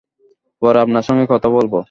পরে আপনার সঙ্গে কথা বলব।